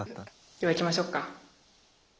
ではいきましょうか。